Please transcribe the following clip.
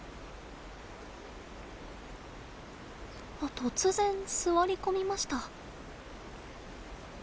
突然座り込みました。